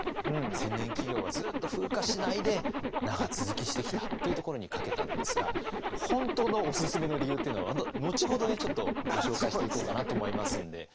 千年企業はずっと風化しないで長続きしてきたというところにかけたんですが本当のオススメの理由っていうのは後ほどちょっとご紹介していこうかなと思いますんで。